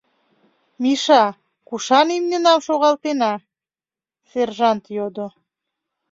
— Миша, кушан имньынам шогалтена? — сержант йодо.